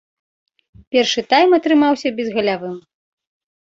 Першы тайм атрымаўся безгалявым.